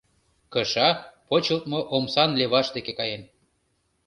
Кыша почылтмо омсан леваш деке каен.